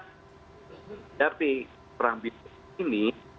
tetapi perambilan ini